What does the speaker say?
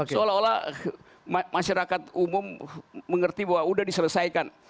seolah olah masyarakat umum mengerti bahwa sudah diselesaikan